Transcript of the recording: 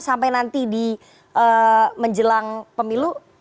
sampai nanti di menjelang pemilu